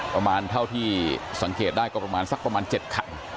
ประมาณเท่าที่สังเกตได้ก็ประมาณสักประมาณ๗คัน